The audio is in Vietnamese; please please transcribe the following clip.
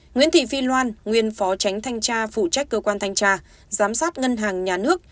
nguyễn thị phi loan nguyên phó tránh thanh tra phụ trách cơ quan thanh tra giám sát ngân hàng nhà nước